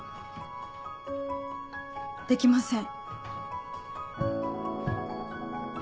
できません。